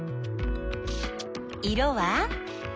色は？